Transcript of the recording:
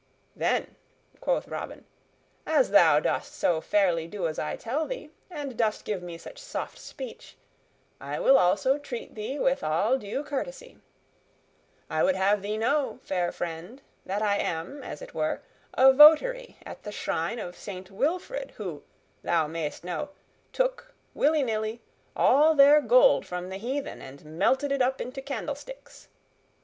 "Then," quoth Robin, "as thou dost so fairly do as I tell thee, and dost give me such soft speech, I will also treat thee with all due courtesy. I would have thee know, fair friend, that I am, as it were, a votary at the shrine of Saint Wilfred who, thou mayst know, took, willy nilly, all their gold from the heathen, and melted it up into candlesticks.